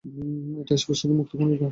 এটা স্পষ্টতই মুক্তিপণের কেস।